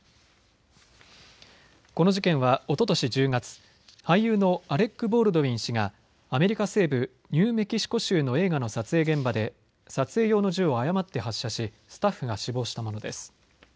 この事件はおととし１０月、俳優のアレック・ボールドウィン氏がアメリカ西部ニューメキシコ州の映画の撮影現場で撮影用の銃を誤って発射しスタッフが死亡したものです。